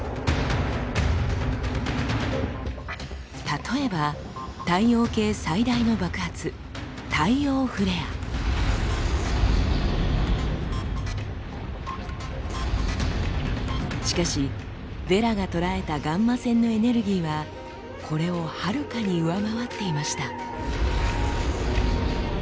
例えば太陽系最大の爆発しかしヴェラが捉えたガンマ線のエネルギーはこれをはるかに上回っていました。